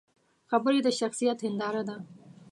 خبرې د شخصیت هنداره ده